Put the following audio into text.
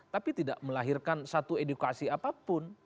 tapi tidak melahirkan satu edukasi apapun